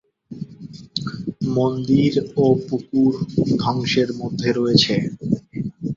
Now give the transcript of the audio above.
মন্দির ও পুকুর ধ্বংসের মধ্যে রয়েছে।